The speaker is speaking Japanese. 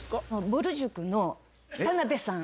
ぼる塾の田辺さん。